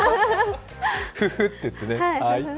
フッフって言ってね。